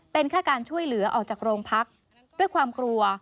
เป็นแค่การช่วยเหลือออกจากโรงพักด้วยความกลัว